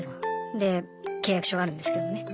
で契約書があるんですけどね